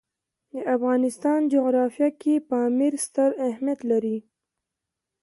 د افغانستان جغرافیه کې پامیر ستر اهمیت لري.